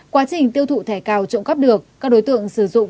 quá trình tiêu thụ thẻ cào trộm cắp được các đối tượng sử dụng